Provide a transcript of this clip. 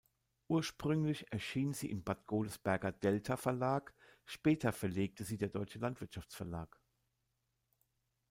Ursprünglich erschien sie im Bad Godesberger Delta-Verlag, später verlegte sie der Deutsche Landwirtschaftsverlag.